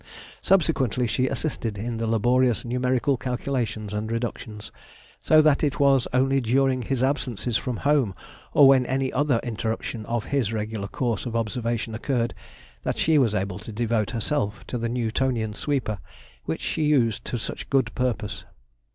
Subsequently she assisted in the laborious numerical calculations and reductions, so that it was only during his absences from home, or when any other interruption of his regular course of observation occurred, that she was able to devote herself to the Newtonian sweeper, which she used to such good purpose.